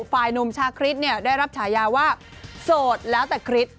ฟายนุมชาคริสได้รับฉายาว่าโสดแล้วแต่คริส